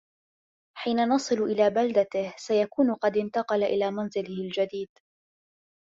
حين نصل إلى بلدته ، سيكون قد انتقل إلى منزله الجديد.